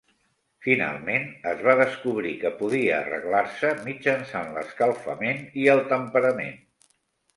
Finalment es va descobrir que podia arreglar-se mitjançant l'escalfament i el temperament.